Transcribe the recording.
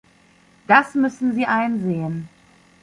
Das müssen sie einsehen.